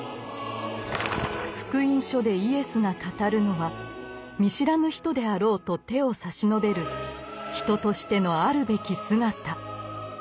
「福音書」でイエスが語るのは見知らぬ人であろうと手を差し伸べる人としてのあるべき姿。